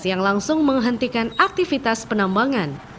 yang langsung menghentikan aktivitas penambangan